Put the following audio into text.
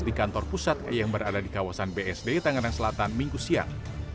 di kantor pusat yang berada di kawasan bsd tangerang selatan minggu siang